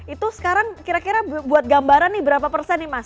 itu sekarang kira kira buat gambaran nih berapa persen nih mas